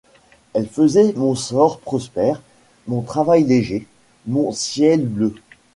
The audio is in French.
Elle faisait mon sort prospère, Mon travail léger, mon ciel bleu.